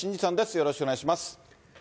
よろしくお願いします。